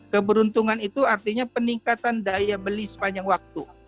keberuntungan itu artinya peningkatan daya beli sepanjang waktu